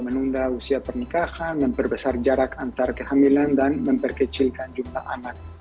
menunda usia pernikahan memperbesar jarak antar kehamilan dan memperkecilkan jumlah anak